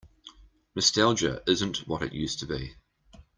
Nostalgia isn't what it used to be.